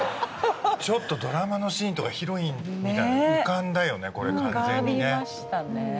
ちょっとドラマのシーンとかヒロインみたいなの浮かんだよね